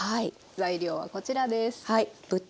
材料はこちらです。